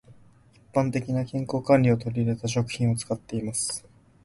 一般的な健康管理を取り入れた食品を使っています。